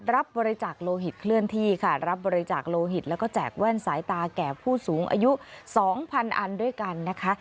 รับบริจาคโลหิตเคลื่อนที่ค่ะรับบริจาคโลหิตแล้วก็แจกแว่นสายตาแก่ผู้สูงอายุ๒๐๐อันด้วยกันนะคะ